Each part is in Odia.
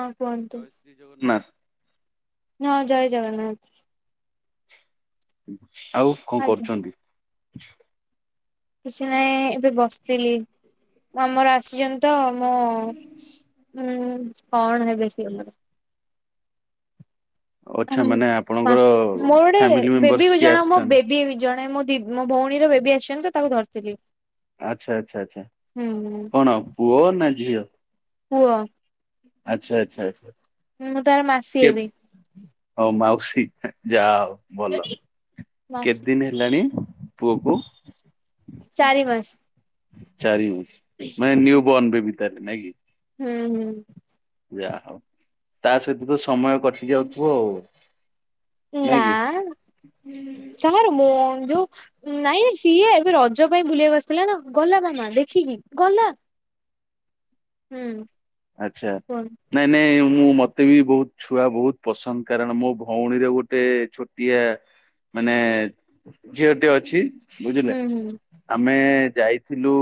ହଁ କୁହନ୍ତୁ। ଜୟ ଶ୍ରୀ ଜଗନ୍ନାଥ୍। ହଁ ଜୟ ଜଗନ୍ନାଥ୍। ଆଉ କଁ ଆଜ୍ଞା କରୁଚନ୍ତି? କିଛି ନହିଁ ଏବେ ବସିଥିଲି ଆମର ଆସିଛନ୍ତି ତ ମୁଁ ହୁଁ କଣ ହେବେ ସିଏ ଆମର। ହଁ ଆଚ୍ଛା ମାନେ ମା ଆପଣଙ୍କର ମୋର ଗୋଟେ ଫ୍ୟାମିଲି ମେମ୍ବର୍ସ ବେବିକୁ କିଏ ଜଣ ମୋ ଆସିଛନ୍ତି ବେ [unintelligible] ଜଣେ ମୋ ଦି ମୋ ଭଉଣୀର ବେବି ଆସିଛନ୍ତି ତ ତାକୁ ଧରିଥିଲି। ଆଚ୍ଛା ଆଚ୍ଛା ଆଚ୍ଛା ହୁଁ ହୁଁ କଣ ପୁଅ ନା ଝିଅ? ପୁଅ। ଆଚ୍ଛା ଆଚ୍ଛା ଆଚ୍ଛା। ମୁଁ ତାର ମାସୀ କେ ଏବି। ହଉ ମାଉସୀ ଯା ହଉ ଭଲ କେତେ ମାସି ଦିନ୍ ହେଲାଣି? ପୁଅକୁ। ଚାରି ମାସ୍। [unintelligible] ହଁ ମାନେ ନିନ୍ୟୁ ବର୍ଣ୍ଣ ବେବି [unintelligible] ନାଇଁ କି? ହୁଁ ହୁଁ! ଯାହଉ ତା ସହିତ ତ ସମୟ କଟି ଯାଉଥିବ ଆଉ। ନାଇଁ ନା କି କାହାର ମୋ ଯଉ ନାଇଁ ସିଏ ଏବେ ରଜ ପାଇଁ ବୁଲିବାକୁ ଆସିଥିଲା ନା ଗଲା ମାମା ଦେଖିକି ଗଲା। [unintelligible] ହୁଁ! ଆଛା କୁହନ୍ତୁ ନାଇଁ ନାଇଁ ମୁଁ ମତେ ବି ବହୁତ୍ ଛୁଆ ବହୁତ୍ ପସନ୍ଦ କାରଣ ମୋ ଭଉଣୀରେ ଗୋଟେ ଛୋଟିଆ ମାନେ ଝିଅଟେ ଅଛି। ବୁଝିଲେ ହୁଁ ହୁଁ ଆମେ ଯାଇଥିଲୁ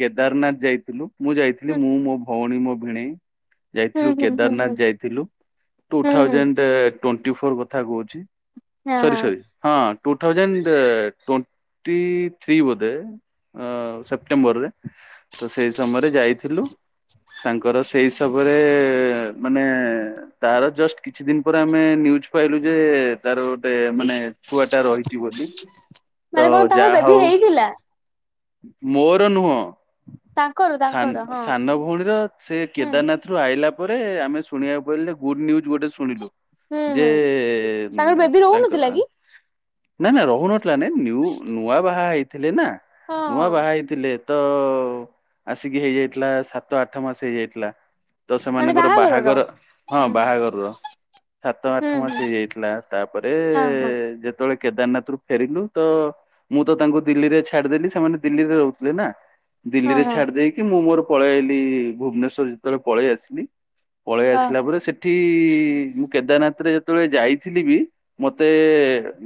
କେଦାରନାଥ୍ ଯାଇଥିଲୁ। ମୁଁ ଯାଇଥିଲି ହୁଁ। ମୁଁ ମୋ ଭଉଣୀ ମୋ ଭିଣେଇ। ହୁଁ ଯାଇଥିଲୁ ହୁଁ ହୁଁ ହୁଁ କେଦାରନାଥ୍ ଯାଇଥିଲୁ ଟୁ ହୁଁ ହୁଁ ଥାଉଜଣ୍ଡ ଟୋଣ୍ଟି ଫୋର କଥା କହୁଛି। ସରି ସରି ହଁ ଟୁ ଥଉଜଣ୍ଡ ଟୋଣ୍ଟି ଥ୍ରୀ ବୋଧେ ଅ ସେପ୍ଟେମ୍ବରରେ ତ ସେଇ ସମୟରେ ଯାଇଥିଲୁ। ତାଙ୍କର ସେଇ ସବରେ ମାନେ ତାର ଜଷ୍ଟ କିଛି ଦିନ୍ ପରେ ଆମେ ନ୍ୟୁଜ ପାଇଲୁ ଯେ- ତାର ଗୋଟେ ମାନେ ଛୁଆଟା ରହିଚି ବୋଲି ତ ମାନେ କଣ ତାଙ୍କର ଯାହା ବେବି ହଉ ହେଇଥିଲା ମୋର ନୁହଁ ତାଙ୍କର ସାନ୍ ତାଙ୍କର ହଁ ସାନ ଭ ଉଣିର ସେ ହୁଁ କେଦାରନାଥରୁ ଆଇଲା ପରେ ଆମେ ଶୁଣିବାକୁ ପଡିଲେ ଗୁଡୁ ନିଉଜ୍ ଗୋଟେ ଶୁଣିଲୁ। ହୁଁ ଯେ ହୁଁ ତାଙ୍କର ବେବି ତାଙ୍କର ରହୁନଥିଲା କି ନା ନା ରହୁନଥିଲା ନାଇଁ ନ୍ୟୁ ନୂଆ ବାହା ହେଇଥିଲେ ନା ହଁ ନୂଆ ହଁ ବାହା ହେଇଥିଲେ। ସାତ ଆସିକି ହେଇଯାଇଥିଲା ସାତ ଆଠ ମାସ ହେଇଯାଇଥିଲା। ତ ମାନେ ସେମାନଙ୍କର ବାହାଘରର ବାହାଘର ହୁଁ ହଁ ବାହାଘରର। ସାତ ହୁଁ ଆଠ ହୁଁ ମାସ ହେଇଯାଇଥିଲା ତାପରେ ହଁ ହଁ ଯେ ତେବେଳେ କେଦାରନାଥରୁ ଫେରିଲୁ ତ ମୁଁ ତ ତାଙ୍କୁ ଦିଲ୍ଲୀରେ ଛାଡିଦେଲି ସେମାନେ ଦିଲ୍ଲୀରେ ରହୁଥିଲେ ନା। ହଁ ଦିଲ୍ଲୀରେ ହଁ ଛାଡି ଦେଇକି ମୁଁ ମୋର ପଳେଇ ଆଇଲି ଭୁବନେଶ୍ଵର ଯେତବଳେ ପଳେଇ ଆସିଲି ପଳେଇ ହଁ ଆସିଲା ପରେ ସେଠି ମୁଁ କେଦାରନାଥରେ ଯେତବଳେ ଯାଇଥିଲି ବି ମତେ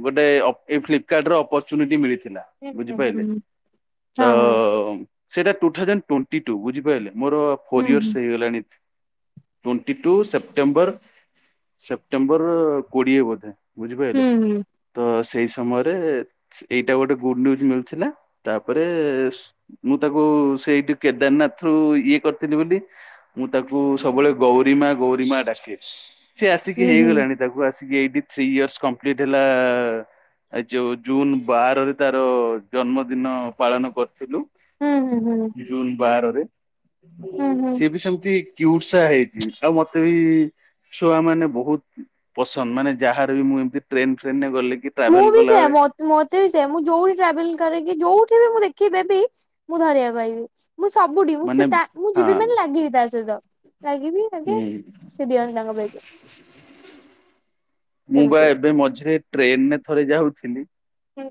ଗୋଟେ ଏ ଫ୍ଲିପକାର୍ଟ ର ଅପରଚୁନିଟି ମିଳିଥିଲା। ହୁଁ ହୁଁ ହୁଁ ବୁଝିପାଇଲେ ହୁଁ ତ ହଁ ହଁ ସେଇଟା ଟୁ ଥାଉଜେଣ୍ଟ ଟ୍ବେଣ୍ଟି ଟୁ ବୁଝିପାଇଲେ ମୋର ଫୋର ହୁଁ ଇୟର୍ସ ହେଇଗଲାଣି ଟ୍ୱଣ୍ଟି ଟୁ ସେପ୍ଟେମ୍ବର, ସେପ୍ଟେମ୍ବର କୋଡିଏ ବୋଧେ। ବୁଝିପାଇଲେ? ହୁଁ ତ ସେଇ ସମୟରେ ଏଇଟା ଗୋଟେ ଗୁଡ୍ ନିନ୍ୟୁଜ ମିଳୁଥିଲା ତାପରେ ମୁଁ ତାକୁ ସେଇଠି କେଦାରନାଥ ରୁ ଇଏ କରିଥିଲି ବୋଲି, ମୁଁ ତାକୁ ସବୁବେଳେ ଗୌରୀମା ଗୌରୀମା ଡାକେ। ସେ ହୁଁ ହୁଁ ହୁଁ ହୁଁ ଆସିକି ହୁଁ ହୁଁ ହେଇଗଲାଣି ତାକୁ ଆସିକି ଏଇଠି ଥ୍ରି ଇୟର୍ସ କଂପ୍ଲିଟ୍ ହେଲା। ଏ ଯୋଉ ଜୁନ ବାରରେ ତାର ଜନ୍ମଦିନ ପାଳନ କରିଥିଲୁ। ହୁଁ ହୁଁ ହୁଁ। ଜୁନ ବାରରେ ହୁଁ ସିଏ ବି ସେମିତି କିଉଟ୍ ସା ହେଇଚି, ଆଉ ମତେ ବି ଛୁଆ ମାନେ ବହୁତ୍ ପସନ୍ଦ ମାନେ ଯାହାର ବି ମୁଁ ଏମତି ଟ୍ରେନ ଫ୍ରେନରେ ଗଲି କି ମୁଁ ଟ୍ରାଭେଲ ବି କଲା ସେୟା ବେଳେ ମତେ ବି ସେୟା, ମୁଁ ଯୋଉଠି ଟ୍ରାଭେଲ କରରେକି ଯୋଉଠି ବି ମୁଁ ଦେଖିବି ବେବି ମୁଁ ଧରିଆକୁ କହିବି। ମୁଁ ସବୁଠି ମୁଁ ସେ ମାନେ ତା ମୁଁ ହଁ ଯିବି ମାନେ ଲାଗିବି ତା ସହିତ ଲାଗିବି। ଆଗେ ହୁଁ, ସେ ଦିଅନ୍ତି ତାଙ୍କ ବେବି ମୁଁ ବା ସେମିତି ଏବେ ମଝିରେ ଟ୍ରେନରେ ଥରେ ଯାଉଥିଲି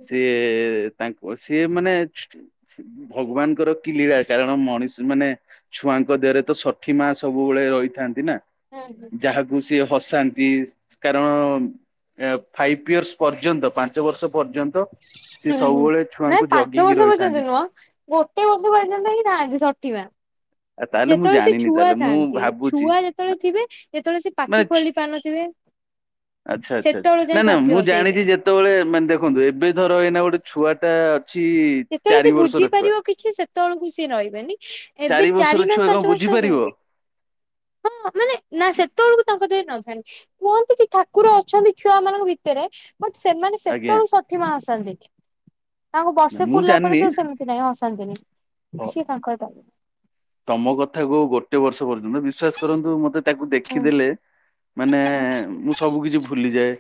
ସିଏ ତାଙ୍କ ସିଏ ମାନେ ଭଗବାନଙ୍କର କି ଲୀଳା କାରଣ ମଣିଷ ମାନେ ଛୁଆଙ୍କ ଦେହରେ ତ ଷଠି ମା ସବୁବେଳେ ରହିଥାନ୍ତି ନା ହୁଁ ଯାହାକୁ ଉଁ, ସିଏ ହସାନ୍ତି କାରଣ ଫାଇଭ ଇୟର୍ସ ପର୍ଯ୍ୟନ୍ତ ପାଞ୍ଚ ବର୍ଷ ପର୍ଯ୍ୟନ୍ତ ସିଏ ହୁଁ ହୁଁ ସବୁବେଳେ ଛୁଆଙ୍କୁ ନାଇ ପାଞ୍ଚ ଜଗିକି ବର୍ଷ ରହିଥାନ୍ତି। ପର୍ଯ୍ୟନ୍ତ ନୁହଁ ଗୋଟେ ବର୍ଷ ପର୍ଯ୍ୟନ୍ତ ହିଁ ଥାଆନ୍ତି ଷଠି ମା। ଆଉ ତାହେଲେ ମୁଁ ଯେତବେଳେ ସେ ଜାଣିନି ଛୁଆ ତାହେଲେ ମୁଁ ଥାଆନ୍ତି ଭାବୁଛି ଛୁଆ ଯେତବଳେ ଥିବେ ଯେତବଳେ ସେ ପାଟି ମାନେ ଖୋଲି ପାରୁନଥିବେ। ଆଚ୍ଛା ଆଚ୍ଛା, ସେତେବେଳ ଯାଏଁ ନା ନା ଷଠି ମୁଁ ବସେଇବେ ଜାଣିଚି ଯେ ଯେତବଳେ ମାନେ ଦେଖନ୍ତୁ ଏବେ ଧର ଏଇନା ଗୋଟେ ଛୁଆ ଟା ଅଛି ଯେତବଳେ ସେ ଚାରି ବର୍ଷର ଛୁଆ ବୁଝିପାରିବ କିଛି ସେତବଳୁକୁ ସେ ରହିବେନି ଏବେ ବର୍ଷର ଚାରି ଛୁଆ ମାସ କଣ ପାଞ୍ଚ ମାସ ହେଲା ବୁଝିପାରିବ ହଁ ମାନେ ନା ସେତବଳୁକୁ ତାଙ୍କ ଦେହେରେ ନଥାନ୍ତି। କୁହନ୍ତି କି ଠାକୁର ଅଛନ୍ତି ଛୁଆ ମାନଙ୍କ ଭିତରେ। ବଟ ସେମାନେ ଆଜ୍ଞା ସେତଵଳୁକୁ ଷଠି ମା ଆସନ୍ତିନି। ତାଙ୍କୁ ନା, ବର୍ଷେ ମୁଁ ପୁୁରିଲା ପରେ ଜାଣିନି ତ ସେ ନାଇଁ ଅଶାନ୍ତିନି ଅ- ସିଏ ତାଙ୍କର ତ ତମ କଥା କୁ ଗୋଟେ ବର୍ଷ ପର୍ଯ୍ୟନ୍ତ ବିଶ୍ଵାସ କରନ୍ତୁ ମତେ ତାକୁ ଦେଖିଦେଲେ ମାନେ ହୁଁ ମୁଁ ସବୁ କିଛି ଭୁଲିଯାଏ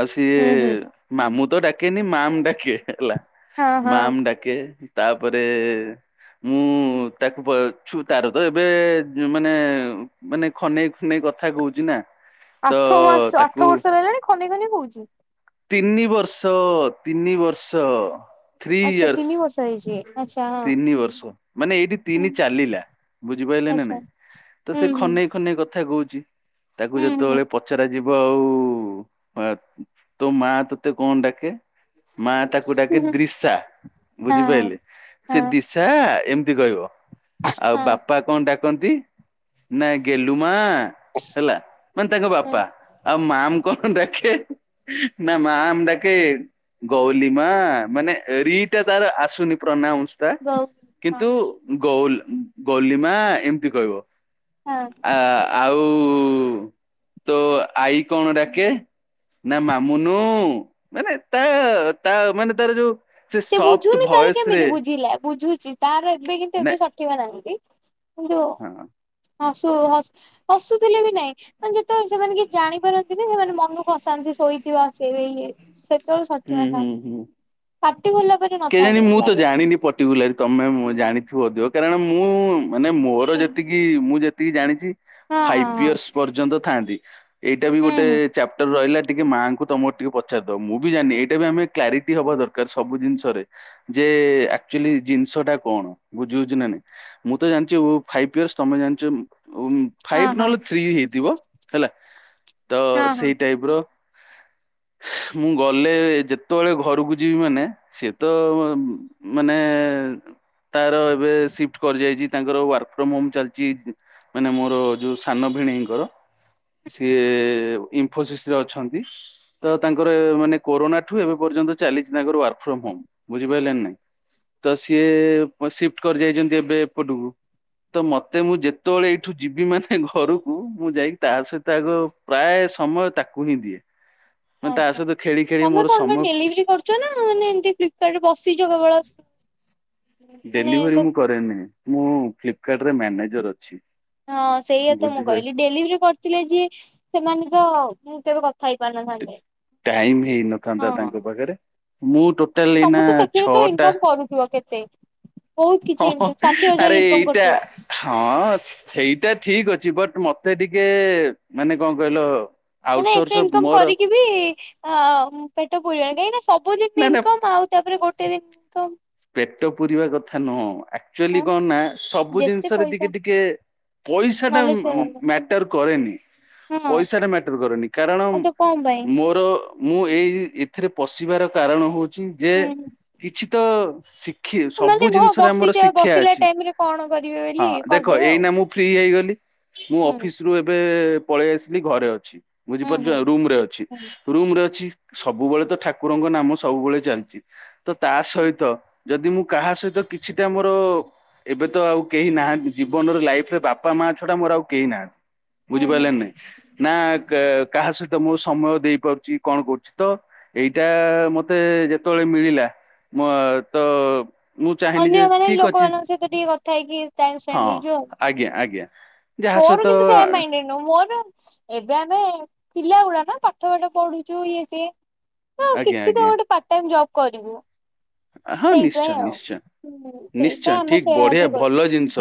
ଆଉ ସିଏ ହୁଁ ହୁଁ ମାମୁ ତ ଡାକେନି ମାମ୍ ଡାକେ ହେଲା ହଁ ହଁ ମାମ୍ ଡାକେ। କେ ତାପରେ ମୁଁ ତାକୁ ପ ଛୁ ତାର ତ ଏବେ ମାନେ ମାନେ ଖନେଇ ଖୁନେଇ କଥା କହୁଚି ନା। ତ ଆଠ ମାସ ତାକୁ ଆଠ ବର୍ଷ ର ହେଲାଣି ଖନେଇ ଖନେଇ କହୁଚି? ତିନି ବର୍ଷ ତିନି ବର୍ଷ। ଥ୍ରୀ ଆଚ୍ଛା ଇୟର୍ସ, ତିନି ବର୍ଷ ହେଇଛି ଆଚ୍ଛା ହଁ ତିନି ବର୍ଷ। ମାନେ ଏଇଠି ହୁଁ ତିନି ଚାଲିଲା। ବୁଝିପାଇଲେ ନା ଆଚ୍ଛା ନାଇଁ ତ ହୁଁ ସେ ହୁଁ ଖନେଇ ନେଇ କଥା କହୁଛି ତାକୁ ହୁଁ ହୁଁ ଯେତେବେଳେ ପଚାରା ଯିବ ଆଉ ଆ ତୋ ମା ତୋତେ କଣ ଡାକେ? ମା ତାକୁ ଡାକେ ହୁଁ ହୁଁ ଦ୍ରିଶା ହଁ ବୁଝିପାଇଲେ ସେ ହଁ ଦିଶା। ସା ଏମିତି କହିବ ଆଉ ବାପା। ହଁ ବାପା କଣ ଡାକନ୍ତି ନାଇ ଗେଲୁ ମା ହେଲା ମାନେ ତାଙ୍କ ହଁ ବାପା ଆଉ ମାମ କଣ ଡାକେ ନା ମାମ ଡାକେ ଗଉଲିମା ମାନେ ରିଟା ତାର ଆସୁନି ପ୍ରନାଉସ ଟା ଗଉ ହଁ କିନ୍ତୁ ଗଉ ଗଉଲିମା ଏମିତି କହିବ ହଁ ଆ ଆଉ ତୋ ଆଈ କଣ ଡାକେ ନା ମାମୁନୁ ମାନେ ତା ତା ମାନେ ତାର ଯୋଉ ସେ ସଫ୍ଟ ବୁଝୁନି ତାହେଲେ ଭଏସ ରେ କେମିତି ବୁଝିଲା ବୁଝୁଚି ତାର ଏବେ କିନ୍ତୁ ନା ଏବେ ସଠେଇିବ ନାହାଁନ୍ତି କିନ୍ତୁ ହଁ ହସୁ ହ ହସୁଥିଲେ ବି ନାଇଁ ଯେତେବେଳେ ସେମାନେ କିଛି ଜାଣି ପାରନ୍ତିନି ସେମାନେ ମନକୁ ଅସାନ୍ତି ଶୋଇଥିବ ଆସେଇ ଇ ସେତେବେଳେ ସଠିବା ତା କେ ଜାଣି ମୁଁ ମତେ ତ ଲାଗେ। ଜାଣିନି ପର୍ଟିକୁଲାର ତମେ ମୁଁ ଜାଣି ଥିବ ଅଧିକ କାରଣ ମୁଁ ମାନେ ମୋର ହଁ ଯେତିକି ମୁଁ ଯେତିକି ଜାଣିଛି ହଁ ଫାଇଭ ହଁ। ଇୟର୍ସ ପର୍ଯ୍ୟନ୍ତ ଥାନ୍ତି ଏଇଟା ବି ହୁଁ ଗୋଟେ ହୁଁ ଚାପ୍ଟର ରହିଲା ଟିକେ ମାଙ୍କୁ ତମର ଟିକେ ପଚାରିଦବ ମୁଁ ବି ଜାଣିନି ଏଇଟା ବି ଆମେ କ୍ଲାରିଟି ହବା ଦରକାର ସବୁ ଜିନିଷରେ ଯେ ଆକ୍ଚୁଆଲି ଜିନିଷ ଟା କଣ ବୁଝି ହଉଛି ନା ନାଇ ମୁଁ ତ ଜାଣିଛି ଫାଇଭ୍ ଇୟର୍ସ ତମେ ଜାଣିଛ ଉଁ ହଁ ଫାଇଭ ହଁ ନହେଲେ ଥ୍ରୀ ହେଇଥିବ ହେଲା ତ ହଁ ହଁ ସେଇ ଟାଇପ ର ମୁଁ ଗଲେ ଯେତେବେଳେ ଘରକୁ ଯିବି ମାନେ ସେ ତ ମାନେ ତାର ଏବେ ସିଫ୍ଟ କରି ଯାଇଛି ତାଙ୍କର ୱାର୍କ ଫ୍ରମ ହୋମ ଚାଲିଛି ମାନେ ମୋର ଯଉଁ ସାନ ଭିଣେଇଙ୍କର ସିଏ ଇନଫୋସିସ ରେ ଅଛନ୍ତି ତ ତାଙ୍କ ଙ୍କର ମାନେ କୋରୋନା ଠୁ ଏବେ ପର୍ଯ୍ୟନ୍ତ ଚାଲିଛି ତାଙ୍କର ୱାର୍କ ଫ୍ରମ ହୋମ ବୁଝିପାରିଲେ ନା ନାଇଁ ତ ସିଏ ସିଫ୍ଟ କରି ଯାଇଛନ୍ତି ଏବେ ଏପଟକୁ ତ ମତେ ମୁଁ ଯେତେବେଳେ ଏଇଠୁ ଯିବି ମାନେ ଘରକୁ ମୁଁ ଯାଇକି ତା ସହିତ ଆଗ ପ୍ରାୟ ସମୟ ତାକୁ ହିଁ ଦିଏ ମାନେ ତା ଆଚ୍ଛା ସହିତ ଖେଳି ଖେଳି ତମେ ମୋର କଣ ସମୟ ଡେଲିଭରି କରୁଛ ନା ମାନେ ଏମିତି ଫ୍ଲିପକାର୍ଟ ରେ ବସିଛ କେବଳ ମାନେ ଡେଲିଭରି ସବୁ ମୁଁ କରେନି ମୁଁ ଫ୍ଲିପକାର୍ଟରେ ମ୍ୟାନେଜର ଅଛି ହଁ ସେଇଆ ତ ମୁଁ ବୁଝିପାଇ କହିଲି ଡେଲିଭରି କରିଥିଲେ ଯିଏ ସେମାନେ ତ ମୁଁ କେବେ କଥା ହେଇପାରୁନ ଥାନ୍ତି ଟାଇମ ହେଇନଥାନ୍ତା ତାଙ୍କ ପାଖରେ ମୁଁ ଟୋଟାଲ ତମେ ଏଇନା ତ ସେଥିରେ ତ ଛଅଟା ଇନକମ କରୁଥିବ କେତେ ବହୁତ କିଛି ହଁ ହଁ ଇନକମ୍ ଷାଠିଏ ଆରେ ହଜାର ଇନକମ ଏଇଟା କରୁଥିବ ହଁ ସେଇଟା ଠିକ ଅଛି ବଟ୍ ମତେ ଟିକେ ମାନେ କଣ କହିଲ ମାନେ ଆଉଟସୋର୍ସ ଏତେ ଇନକମ ମୋର କରିକି ବି ହଁ ହଁ ପେଟ ପୁରିବନି କାହିଁକି ନା ନା ସବୁଦିନ ନା ଇନକମ୍ ଆଉ ତାପରେ ଗୋଟେ ଦିନ ଇନକମ୍ ପେଟ ପୁରିବା କଥା ନୁହଁ ଆକ୍ଚୁଆଲି କଣ ନା ସବୁ ଯେତେ ଜିନିଷରେ ପଇସା ଟିକେ ଟିକେ ପଇସା ଟା ନଲେଜ ହେଇଗଲା ମ୍ୟାଟର କରେନି ହଁ ପଇସାଟା ମ୍ୟାଟର କରେନି କାରଣ ଆଉ ତ କଣ ପାଇଁ ମୋର ମୁଁ ଏଇ ଏଥିରେ ପଶିବାର କାରଣ ହଉଛି ଯେ ହୁଁ କିଛି ତ ସି ଖୀ ମାନେ ସବୁ ଭ ଜିନିଷରେ ଆମର ବସିଚା ଶିକ୍ଷା ବସିଲା ଅଛି ଟାଇମ ରେ କଣ କରିବେ ବୋଲି ହଁ ଦେଖ କରିଦେବେ ଆଉ ଏଇନା ମୁଁ ଫ୍ରି ହେଇଗଲି ମୁଁ ହୁଁ। ଅଫିସ୍ ରୁ ଏବେ ପଳେଇ ଆସିଲି ଘରେ ଅଛି ହୁଁ ହୁଁ ବୁଝିପାରୁଚ ରୁମ ରେ ଅଛି ହୁଁ। ରୁମ୍ ରେ ଅଛି ସବୁବେଳେ ତ ଠାକୁରଙ୍କ ନାମ ସବୁବେଳେ ଚାଲିଛି ତ ତା ହୁଁ ସହିତ ଯଦି ମୁଁ କାହା ସହିତ କିଛିଟା ମୋର ଏବେ ତ ଆଉ କେହି ନାହାନ୍ତି ଜୀବନରେ ଲାଇଫ୍ ରେ ବାପା ମା ଛଡା ମୋର ଆଉ କେହି ନାହାନ୍ତି ହୁଁ ବୁଝିପାରିଲେ ନା ନାଇଁ ନା କାହା ସହିତ ମୁଁ ସମୟ ଦେଇପାରୁଚି କଣ କରୁଛି ତ ଏଇଟା ମତେ ଯେତେବେଳେ ମିଳିଲା ମ ତ ମୁଁ ଚାହିଁଲିି ଯେ ଠିକ୍ ଅଛି ମତେ ଟିକେ କଥା ହେଇକି ଟାଇମ୍ ସ୍ପେଣ୍ଡ ହଁ ହେଇଯିବ ଆଉ ଆଜ୍ଞା ଆଜ୍ଞା ଯାହା ମୋର ସହିତ କିନ୍ତୁ ସେମ୍ ମାଇଣ୍ଡେ ମୋ ନା ଏବେ ଆମେ ପିଲା ଗୁଡା ନା ପାଠ ପାଠ ପଢୁଛୁ ଇଏ ସିଏ ନା ଆଜ୍ଞା କିଛି ତ ଆଜ୍ଞା ଗୋଟେ ପାର୍ଟ ଟାଇମ୍ ଜବ୍ କରିବୁ ହଁ ନିଶ୍ଚୟ ସେଇଥିପାଇଁ ନିଶ୍ଚୟ ଆଉ ହଁ ସେଇପାଇଁ ନିଶ୍ଚୟ ଆମେ ଠିକ ସେୟା ବଢିଆ ଭାବିକି ଭଲ କଲୁ ଜିନିଷ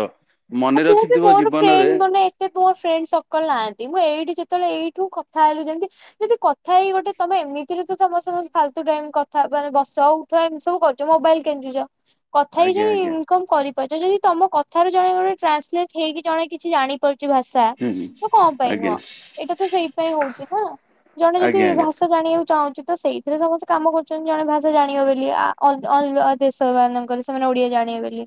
ଆଉ ମନେ ମୁଁ ବି ରଖିଥିବ ମୋର ଜୀବନରେ ଫ୍ରେଣ୍ଡ ମାନେ ମୋ ଫ୍ରେଣ୍ଡ ସର୍କଲ ନାହାନ୍ତି ମୁଁ ଏଇଠି ଯେତେବେଳେ ଏଇଠୁ କଥା ହେଲୁ ଯେମିତି ଯଦି କଥା ହେଇ ଗୋଟେ ତମେ ଏମିତିରେ ତମେ ସଙ୍ଗେ ଫାଲତୁ ଟାଇମ୍ କଥା ମାନେ ବସ ଉଠ ଏମତି ସବୁ କର ମୋବାଇଲ କେଞ୍ଚୁଛ କଥା ଆଜ୍ଞା ଆଜ୍ଞା ହେଇଛଣି କଁ କରିପାରୁଛ ଯଦି ତମ କଥା ରୁ ଜଣେ ଜଣେ ଟ୍ରାନ୍ସଲେଟ୍ ହେଇକି ଜଣେ କିଛି ଜାଣିପାରୁଛି ଭାଷା ହୁଁ ହୁଁ ତ କଣ ପାଇଁ ଆଜ୍ଞା ଆଜ୍ଞା ନୁହଁ ଏଇଟା ତ ସେଇଥି ପାଇଁ ହଉଛି ନା ଜଣେ ଯଦି ଆଜ୍ଞା ଭାଷା ଜାଣିବାକୁ ଚାହୁଁଛି ତ ସେଇଥିରେ ସମସ୍ତେ କାମ କରୁଛନ୍ତି ଜଣେ ଭାଷା ଜାଣିବ ବୋଲି ଆ ଅ ଅଲଗା ଦେଶ ମାନଙ୍କରେ ସେମାନେ ଓଡିଆ ଜାଣିବେ ବୋଲି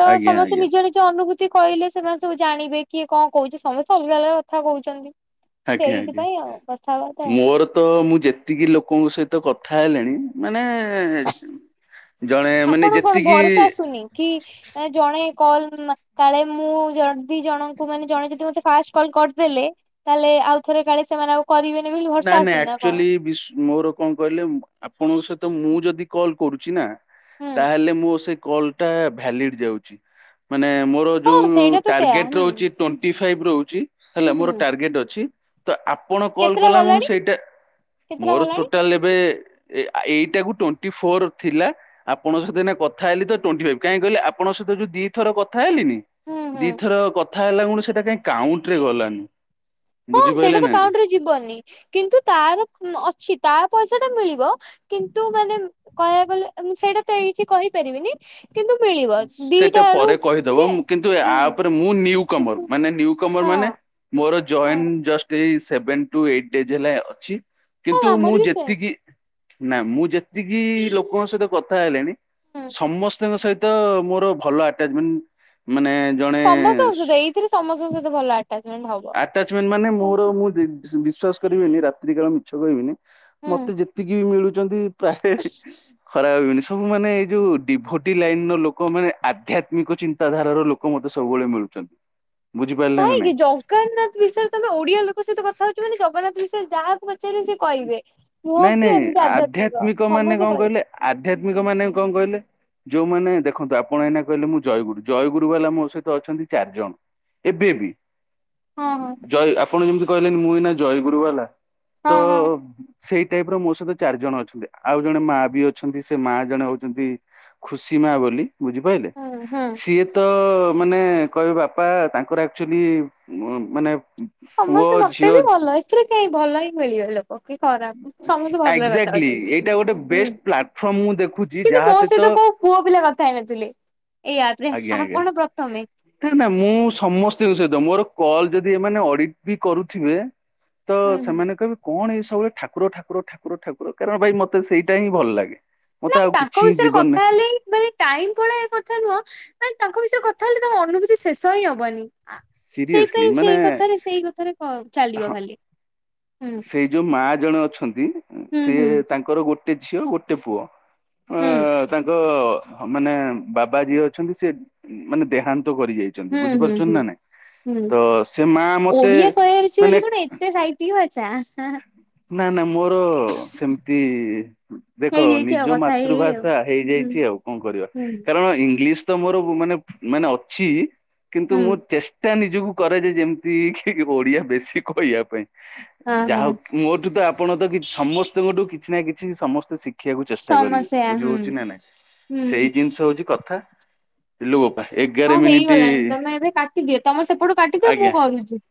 ତ ଆଜ୍ଞା ଆଜ୍ଞା ସମସ୍ତେ ନିଜ ନିଜ ଅନୁଭୂତି କହିଲେ ସେମାନେ ସବୁ ଜାଣିବେ କିଏ କଣ କହୁଛି ସମସ୍ତେ ଅଲଗା ଅଲା କଥା କହୁଛନ୍ତି ଆଜ୍ଞା ଆଜ୍ଞା ସେଇଥିପାଇଁ ଆଉ କଥାବାର୍ତ୍ତା ମୋର ତ ମୁଁ ଯେତିକି ଲୋକଙ୍କ ସହିତ କଥା ହେଲିଣି ମାନେ ଜଣେ ମାନେ ଆପଣଙ୍କ କଣ ଯେତିକି ଭରସା ଆସୁନି କି ମାନେ ଜଣେ କଲ୍ କାଳେ ମୁଁ ଯଦି ଜଣଙ୍କୁ ମାନେ ଜଣେ ଯଦି ମତେ ଫାଷ୍ଟ କଲ୍ କରିଦେଲେ ତାହେଲେ ଆଉ ଥରେ କାଳେ ସେମାନେ ଆଉ କରିବେନି ବୋଲି ଭରସା ନାଇଁ ନାଇଁ ଆସୁନି ନା କଣ? ଆକ୍ଚୁଆଲି ବିସ୍ ମୋର କଣ କହିଲେ ଆପଣଙ୍କ ସହିତ ମୁଁ ଯଦି କଲ୍ କରୁଛି ନା ହୁଁ ତାହେଲେ ମୁଁ ସେ କଲ୍ ଭ୍ୟାଲିଡ୍ ଯାଉଛି ମାନେ ମୋର ହଁ ଯୋଉ ସେଇଟା ତ ସେୟା ଟାର୍ଗେଟ୍ ହୁଁ ରହୁଛି ଟ୍ୱେଣ୍ଟି ଫାଇବି ରହୁଚି ହୁଁ ହେଲା ମୋର ହୁଁ ଟାର୍ଗେଟ ଅଛି ତ ଆପଣ କଲ୍ କେତେଟା କଲା କଣ ଗଲାଣି ସେଇଟା କେତେଟା ମୋର ଗଲାଣି ଟୋଟାଲ୍ ଏବେ ଏ ଏଇଟାକୁ ଟ୍ୱେଣ୍ଟି ଫୋର ଥିଲା ଆପଙ୍କ ସହିତ ଏଇନା କଥା ହେଲି ତ ଟ୍ୱେଣ୍ଟି ଫାଇବ୍ କାହିଁକି କହିଲେ ଆପଙ୍କ ସହିତ ଯୋ ଦି ଥର କଥା ହେଲିନି ହୁଁ ହୁଁ। ଦିଥର କଥା ହେଲାକୁଣୁ ସେଟା କାହିଁ କାଉଣ୍ଟରେ ଗଲାନି ହଁ ବୁଝିପାରିଲେ ସେଇଟା ତ ନା ନାଇଁ? କାଉଉଣ୍ଟରେ ଯିବନି କିନ୍ତୁ ତାର ଅଛି ତା ପଇସା ଟା ମିଳିବ କିନ୍ତୁ ମାନେ କହିବାକୁ ଗଲେ ମୁଁ ସେଇଟା ତ ଏଇଠି କହିପାରିବିନି କିନ୍ତୁ ମିଳିବ ଦିଟା ସେଟା ଆଡୁ ପରେ କହିଦବ ଯେ ମୁଁ କିନ୍ତୁ ହୁଁ ଆପରେ ମୁଁ ନ୍ଯୁ କମର କିନ୍ତୁ ମାନେ ନ୍ୟୁ ହଁ କମର ମାନେ ମୋର ହଁ ଜଏନ ଜଷ୍ଟ ଏଇ ସେଭେନ ଟୁ ଏଇଟ୍ ଡେଜ୍ ହେଲା ଅଛି ହଁ କିନ୍ତୁ ଆମର ମୁଁ ବି ସେମ୍ ଯେତିକି ନା ମୁଁ ଯେତିକି ଲୋକଙ୍କ ସହିତ କଥା ହେଲିଣି ହୁଁ ସମସ୍ତଙ୍କ ସହିତ ତ ମୋର ଭଲ ଆଟାଚମେଣ୍ଟ ମାନେ ଜଣେ ସମସ୍ତଙ୍କ ସହିତ ଏଇଥିରେ ସମସ୍ତଙ୍କ ସହିତ ଭଲ ଆଟାଚମେଣ୍ଟ ହବ ଆଟାଚମେଣ୍ଟ ମାନେ ମୋର, ମୁଁ ବିଶ୍ୱାସ କରିବିନି, ରାତ୍ରି କାଳ ମିଛ କହିବିନି। ହୁଁ ମତେ ଯେତିକି ବି ମିଳୁଛନ୍ତି, ପ୍ରାୟ ଖରାପ ଭାବିବନି, ସବୁ ମାନେ ଏଇ ଯୋଉ ଡିଭୋଟି ଲାଇନ ର ଲୋକମାନେ, ଆଧ୍ୟାତ୍ମିକ ଚିନ୍ତାଧାରାର ଲୋକ ଲୋକ ମତେ ସବୁବେଳେ ମିଳୁଛନ୍ତି। ବୁଝିପାରିଲେ ନା କାହିଁକି ନାଇଁ। ଯା କାହିଁକି ନା, ବିଷୟରେ ତମେ ଓଡିଆ ଲୋକ ସହିତ କଥା ହଉଛ। ମାନେ, ଜଗନ୍ନାଥ ବିଷୟ ଯାହାକୁ ପଚାରିବେ, ସେ କହିବେ। ନୁହଁ ନାଇଁ କି ନାଇଁ, ଏମିତି ଆଧ୍ୟାତ୍ମିକ ମାନେ ସମସ୍ତେ କଣ କହିବେ କହିଲେ? ଆଧ୍ୟାତ୍ମିକ ମାନେ କଣ କହିଲେ? ଯୋଉମାନେ ଦେଖନ୍ତୁ, ଆପଣ ଏଇନା କହିଲେ, ମୁଁ ଜୟଗୁରୁ ଜୟଗୁରୁ ବାଲା। ମୋ ସହିତ ଅଛନ୍ତି ଚାରି ଜଣ। ଏବେ ବି। ହଁ ହଁ ଜୟ, ଆପଣ ଯେମିତି କହିଲେ, ମୁଁ ଏଇନା ଜୟଗୁରୁ ବାଲା ହଁ ତ। ହଁ ସେଇ ଟାଇପ୍ ର ମୋ ସହିତ ଚାରି ଜଣ ଅଛନ୍ତି, ଆଉ ଜଣେ ମା ବି ଅଛନ୍ତି ସେ ମା ଜଣେ ହଉଛନ୍ତି ଖୁସି ମା ବୋଲି ବୁଝିପାରିଲେ ହୁଁ ହୁଁ। ସିଏ ତ ମାନେ, କହିବେ ବାପା ତାଙ୍କର ଆକ୍ଚୁଲି ମାନେ ପୁଅ ସମସ୍ତେ ମତେ ଝିଅ ବି ଭଲ। ଏଥିରେ କାହିଁ ଭଲ ହିଁ ମିଳିଗଲେ। [unintelligible] ଖରାପ, ସମସ୍ତେ ଭଲ ରେ କଥା ଏକ୍ଜାକ୍ଟଲି ହଉଛନ୍ତି। ଏଇଟା ଗୋଟେ ହୁଁ, ବେଷ୍ଟ ପ୍ଲାଟଫର୍ମ ମୁଁ ଦେଖୁଛି କିନ୍ତୁ ଯାହା ମୋ ସହିତ କୋଉ ପୁଅ ପିଲା କଥା ହେଇନଥିଲେ, ଏଇ ଆପ୍ ରେ ଆଜ୍ଞା ଆଜ୍ଞା ଆପଣ ପ୍ରଥମେ। ମୁଁ ସମସ୍ତଙ୍କ ସହିତ ମୋର କଲ୍, ଯଦି ଏମାନେ ଅଡିଟ୍ ବି କରୁଥିବେ ତ ହୁଁ ହୁଁ ସେମାନେ କହିବେ କଣ, ଏଇ ସବୁବେଳେ ଠାକୁର, ଠାକୁର, ଠାକୁର, ଠାକୁର! କାରଣ ଭାଇ ମତେ ସେଇଟା ହିଁ ଭଲ ଲାଗେ। ମତେ ନାଇଁ, ଆଉ କିଛି ତାଙ୍କ ହିଁ ବିଷୟରେ ଜୀବନ କଥା ହେଲେ [unintelligible] ଟାଇମ୍ ପଳାଏ, କଥା ନୁହଁ। ତାଙ୍କ ବିଷୟ କଥା ହେଲେ ଅନୁଭୂତି ଶେଷ ହିଁ ହବନି। ସିରିୟସଲି ସେଇପାଇଁ ମାନେ ସେଇ କଥାରେ, ସେଇ କଥାରେ ହଁ ଚାଲିବ ହଁ ଖାଲି। ହୁଁ ସେଇ ଯୋଉ ମା ଜଣେ ଅଛନ୍ତି, ହୁଁ ସିଏ ହୁଁ। ତାଙ୍କର ଗୋଟେ ଝିଅ, ଗୋଟେ ପୁଅ। ହୁଁ [unintelligible] ତାଙ୍କ ମାନେ ବାବା ଯିଏ ଅଛନ୍ତି, ସିଏ ଦେହାନ୍ତ କରି ଯାଇ। ହୁଁ ହୁଁ ହୁଁ ହୁଁ, ସେ ମା ମତେ ଓଡିଆ କହିବାର ଅଛି ମାନେ ବୋଲି କଣ ସେ ସାହିତ୍ୟିକ ଭାଷା। [unintelligible] ନା ନା, ମୋର ସେମିତି ଦେଖ, ହେଇଯାଇଛି ନିଜ ଆଉ କଥା ହେଇ ହେଇ ଆଉ। ମାତୃଭାଷା ହୁଁ ହେଇଯାଇଛି ଆଉ କଣ କରିବା? ହୁଁ। କାରଣ ଇଂଲିସ ତ ମୋର ମାନେ, ମାନେ ଅଛି କିନ୍ତୁ ହୁଁ ମୁଁ ଚେଷ୍ଟା ଟା ନିଜକୁ କରେ ଯେ ଯେମିତି କି ଓଡିଆ ବେଶୀ କହିବା ପାଇଁ। ହଁ ହଁ ଯାହାହଉ ମୋଠୁ ତ ଆପଣ, ତ କି ସମସ୍ତଙ୍କଠୁ କିଛି ନା କିଛି ସମସ୍ତେ ଶିକ୍ଷା ଶିଖିବାକୁ ଚେଷ୍ଟା କରିବେ। ସମସ୍ୟା ବୁଝି ହୁଁ ହଉଛି ନା ନାଇଁ, ହୁଁ ସେଇ ଜିନିଷ ହଉଛି କଥା। ଇଲୋ ବୋପା ଏ ହଁ, ହେଇଗଲାଣି। ତମେ ଏବେ କାଟିଦିଅ। ତମେ ସେପଟୁ କାଟିଦିଅ, ମୁଁ ଆଜ୍ଞା। କରୁଛି।